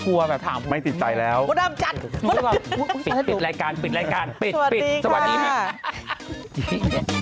กลัวถามผมมันก็ต้องลำจัดปิดรายการปิดสวัสดีค่ะสวัสดี